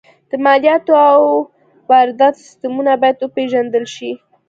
د مالیاتو او وارداتو سیستمونه باید وپېژندل شي